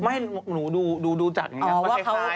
ไม่หนูดูจัดอย่างนี้มันคล้าย